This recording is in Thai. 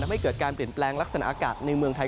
ไม่เกิดการเปลี่ยนแปลงลักษณะอากาศในเมืองไทย